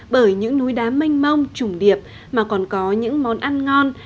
bởi những núi đá mênh mông trùng điệp mà còn có những món ăn ngon